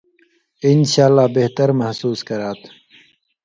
انشاءاللہ بہتہۡر محسوس کراتھہ۔